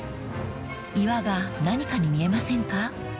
［岩が何かに見えませんか？］